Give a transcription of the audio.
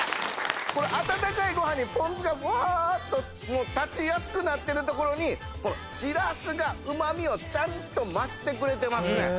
これ温かいご飯にポン酢がふわっと立ちやすくなってるところにしらすがうまみをちゃんと増してくれてますね。